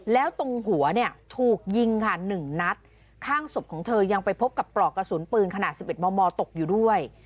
แล้วตรงหัวเนี่ยถูกยิงค่ะหนึ่งนัดข้างศพของเธอยังไปพบกับปลอกกระสุนปืนขนาด๑๑มมตกอยู่ด้วย